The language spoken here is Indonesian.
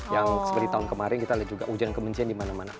yang seperti tahun kemarin kita lihat juga hujan kebencian di mana mana